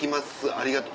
ありがとう。